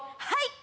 はい！